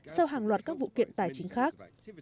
sau hàng loạt các vụ kiện tài chính khác